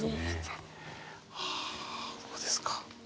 はあそうですか。